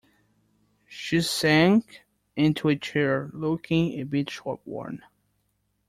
She sank into a chair, looking a bit shop-worn.